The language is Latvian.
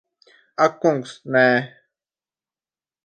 Ak kungs, nē.